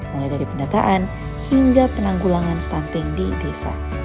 mulai dari pendataan hingga penanggulangan stunting di desa